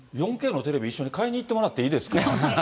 ４Ｋのテレビ一緒に買いに行ってもらっていいですか？